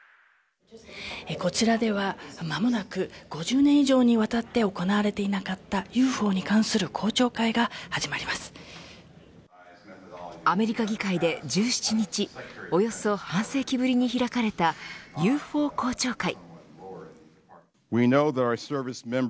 こちらでは、まもなく５０年以上にわたって行われていなかったＵＦＯに関するアメリカ議会で１７日およそ半世紀ぶりに開かれたＵＦＯ公聴会。